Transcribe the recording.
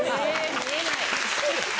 見えない。